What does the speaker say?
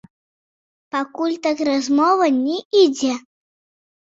Пакуль так размова не ідзе.